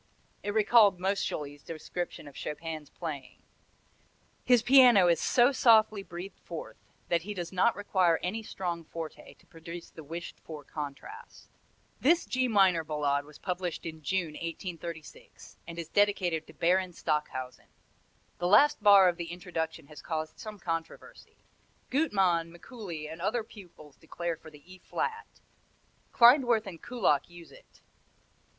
It recalled Moscheles' description of Chopin's playing: "His piano is so softly breathed forth that he does not require any strong forte to produce the wished for contrast." This G minor Ballade was published in June, 1836, and is dedicated to Baron Stockhausen. The last bar of the introduction has caused some controversy. Gutmann, Mikuli and other pupils declare for the E flat; Klindworth and Kullak use it.